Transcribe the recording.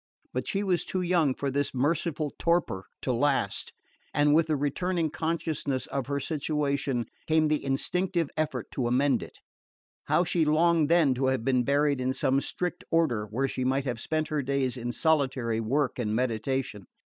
But she was too young for this merciful torpor to last, and with the returning consciousness of her situation came the instinctive effort to amend it. How she longed then to have been buried in some strict order, where she might have spent her days in solitary work and meditation!